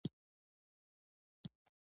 جون د دریو اولادونو پلار و چې حنا ترې لاړه